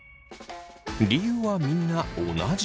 理由はみんな同じ。